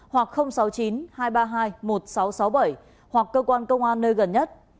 hoặc sáu mươi chín hai trăm ba mươi hai một nghìn sáu trăm sáu mươi bảy hoặc cơ quan công an nơi gần nhất